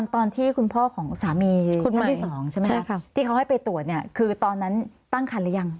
ตอนที่คุณพ่อของสามีคุณพ่อที่๒ใช่ไหมคะที่เขาให้ไปตรวจเนี่ยคือตอนนั้นตั้งคันหรือยัง